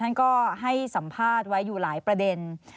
ท่านก็ให้สัมภาษณ์ไว้อยู่หลายประเด็น